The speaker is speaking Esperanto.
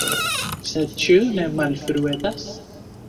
Sed ĉu ne malfruetas?